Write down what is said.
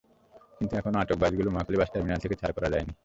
কিন্তু এখনো আটক বাসগুলি মহাখালী বাস টার্মিনাল থেকে ছাড় করানো যায়নি।